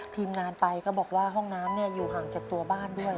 ทีมงานไปก็บอกว่าห้องน้ำอยู่ห่างจากตัวบ้านด้วย